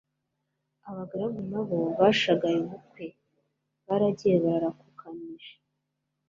abagaragu na bo bashagaye umukwe, baragiye bararakukanije ati